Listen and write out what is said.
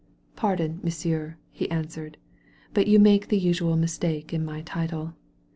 "Pardon, monsieur," he answered, "but you make the usual mistake in my title.